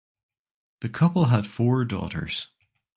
The couple had four daughters.